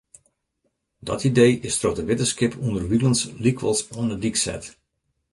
Dat idee is troch de wittenskip ûnderwilens lykwols oan ’e dyk set.